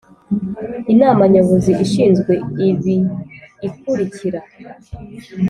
Inama Nyobozi ishinzwe ibi ikurikira